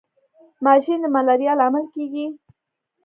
ماشي د ملاریا لامل کیږي